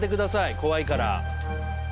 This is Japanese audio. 怖いから。